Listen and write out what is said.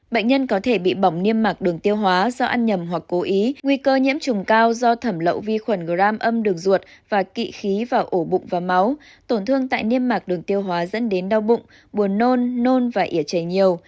bệnh nhân có thể bị bỏng niêm mạc đường tiêu hóa do ăn nhầm hoặc cố ý nguy cơ nhiễm trùng cao do thẩm lậu vi khuẩn gram âm đường ruột và kỵ khí vào ổ bụng và máu tổn thương tại niêm mạc đường tiêu hóa dẫn đến đau bụng buồn nôn nôn và ỉa chảy nhiều